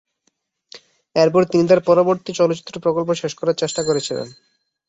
এরপর তিনি তার পরবর্তী চলচ্চিত্র প্রকল্প শেষ করার চেষ্টা করেছিলেন।